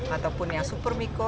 ataupun yang super miko